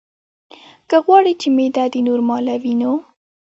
که غواړې چې معده دې نورماله وي نو: